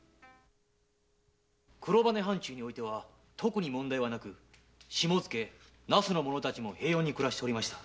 黒羽藩中においては特に問題はなく下野那須の者たちも平穏に暮らしておりました。